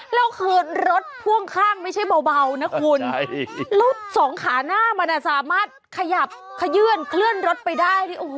แล้วคือรถพ่วงข้างไม่ใช่เบานะคุณรถสองขาหน้ามันสามารถขยับขยื่นเคลื่อนรถไปได้